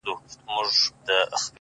• چي د دام پر سر یې غټ ملخ ته پام سو ,